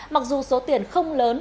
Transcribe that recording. mặc dù số tiền không lớn